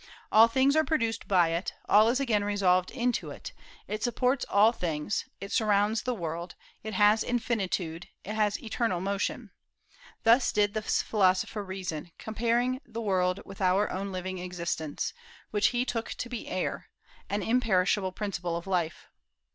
All things are produced by it; all is again resolved into it; it supports all things; it surrounds the world; it has infinitude; it has eternal motion. Thus did this philosopher reason, comparing the world with our own living existence, which he took to be air, an imperishable principle of life.